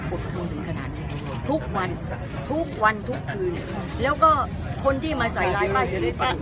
ปกครองถึงขนาดนี้ทุกวันทุกวันทุกคืนแล้วก็คนที่มาใส่ไลน์ป้ายสีป้า